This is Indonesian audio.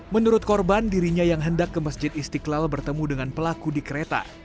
menurut korban dirinya yang hendak ke masjid istiqlal bertemu dengan pelaku di kereta